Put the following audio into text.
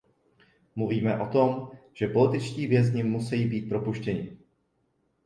Mluvíme o tom, že političtí vězni musejí být propuštěni.